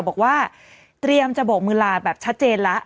บอกว่าเตรียมจะโบกมือลาแบบชัดเจนแล้ว